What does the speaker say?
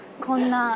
こんな。